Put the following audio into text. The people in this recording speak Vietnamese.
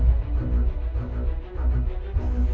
để đối tượng